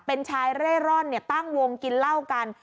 เป็นชายเร่ร่อนตั้งวงกินเหล้ากัน